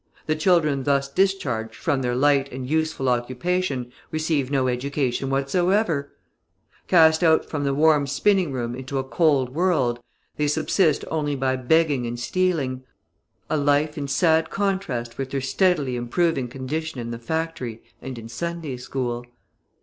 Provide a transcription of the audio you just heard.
The children thus discharged from their light and useful occupation receive no education whatsoever; cast out from the warm spinning room into a cold world, they subsist only by begging and stealing, a life in sad contrast with their steadily improving condition in the factory and in Sunday school.